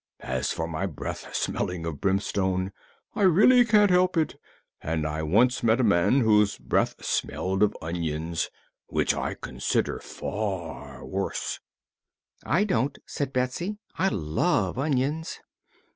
As for my breath smelling of brimstone, I really can't help it, and I once met a man whose breath smelled of onions, which I consider far worse." "I don't," said Betsy; "I love onions.